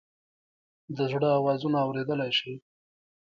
د زړه آوازونه اوریدلئ شې؟